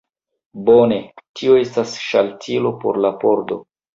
Bone. Tio estas ŝaltilo por la pordo.